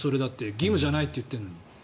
義務じゃないって言ってるのに。